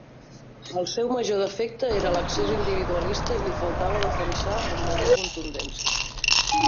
El seu major defecte era l'excés individualista i li faltava defensar amb major contundència.